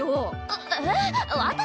ええっ私！？